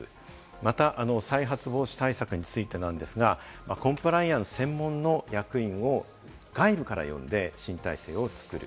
また再発防止対策についてですが、コンプライアンス専門の役員を外部から呼んで、新体制を作る。